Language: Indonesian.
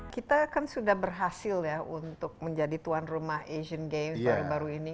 kita kan sudah berhasil ya untuk menjadi tuan rumah asian games baru baru ini